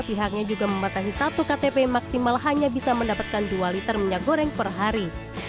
pihaknya juga membatasi satu ktp maksimal hanya bisa mendapatkan dua liter minyak goreng per hari